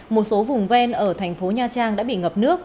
một số vùng ven ở thành phố nha trang đã bị ngập nước